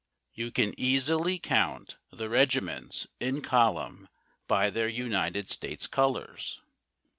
You can easily count the regiments in column by their United States colors.